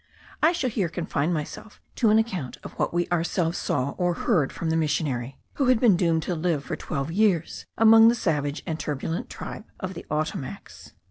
I shall here confine myself to an account of what we ourselves saw or heard from the missionary, who had been doomed to live for twelve years among the savage and turbulent tribe of the Ottomacs.